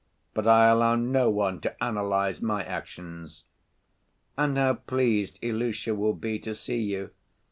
But I allow no one to analyze my actions." "And how pleased Ilusha will be to see you!